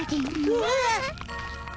うわっ。